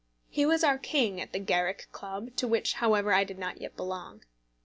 He was our king at the Garrick Club, to which, however, I did not yet belong.